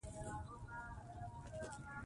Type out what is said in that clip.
انګور د افغانستان د اقلیم ځانګړتیا ده.